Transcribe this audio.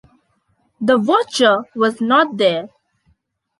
The watcher was not there.